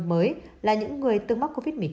mới là những người từng mắc covid một mươi chín